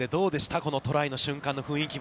このトライの瞬間の雰囲気は。